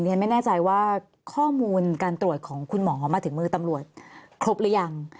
ฉันไม่แน่ใจว่าข้อมูลการตรวจของคุณหมอมาถึงมือตำรวจครบหรือยัง